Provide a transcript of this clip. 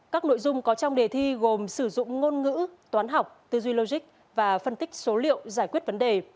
các nội dung có trong đề thi gồm sử dụng ngôn ngữ toán học tư duy logic và phân tích số liệu giải quyết vấn đề